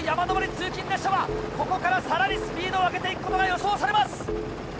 通勤列車はここからさらにスピードを上げていくことが予想されます。